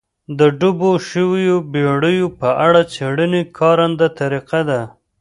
د ډوبو شویو بېړیو په اړه څېړنې کارنده طریقه ده